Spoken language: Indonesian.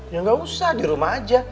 ya nggak usah di rumah aja